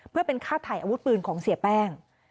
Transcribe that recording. เพื่อเป็นค่าถ่ายอาวุธปืนของเสียแป้ง